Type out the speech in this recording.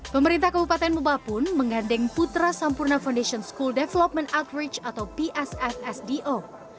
pemerintah kabupaten mubah pun mengandeng putra sampurna foundation school development average atau psfsdo